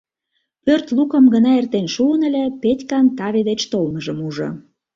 Пӧрт лукым гына эртен шуын ыле, Петькан таве деч толмыжым ужо.